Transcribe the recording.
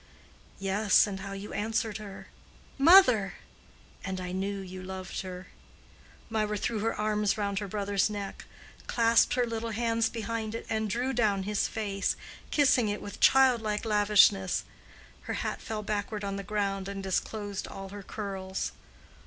"Yes, and how you answered her—'Mother!'—and I knew you loved her." Mirah threw her arms round her brother's neck, clasped her little hands behind it, and drew down his face, kissing it with childlike lavishness. Her hat fell backward on the ground and disclosed all her curls.